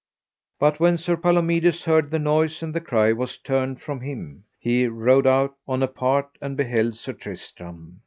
But when Sir Palomides heard the noise and the cry was turned from him, he rode out on a part and beheld Sir Tristram.